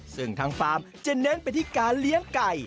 ซึ่งทางฟาร์มจะเน้นไปที่การเลี้ยงไก่